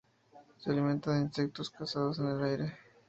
Se alimenta de insectos cazados en el aire.